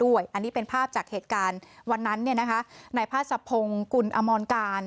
โดยไม่มีเหตุอันควรอดิตนักศึกษาวิทยาลัยเทคโนโลยีและการรับสารภาพตลอดข้อกล่าวด้วย